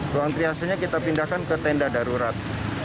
ruang triasenya kita pindahkan ke tenda darurat